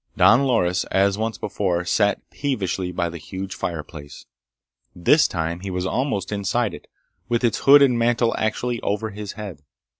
Don Loris, as once before, sat peevishly by the huge fireplace. This time he was almost inside it, with its hood and mantel actually over his head.